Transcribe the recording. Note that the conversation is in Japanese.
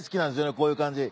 こういう感じ。